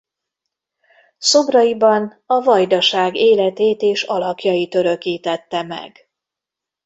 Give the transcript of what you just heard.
Szobraiban a Vajdaság életét és alakjait örökítette meg.